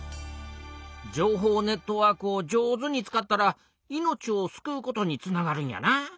情報ネットワークを上手に使ったら命を救うことにつながるんやな。